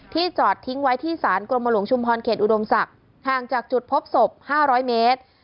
จอดทิ้งไว้ที่ศาลกรมหลวงชุมพรเขตอุดมศักดิ์ห่างจากจุดพบศพ๕๐๐เมตร